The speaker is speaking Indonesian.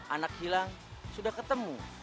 anak hilang sudah ketemu